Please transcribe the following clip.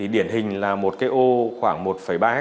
điển hình là một ô khoảng một ba ha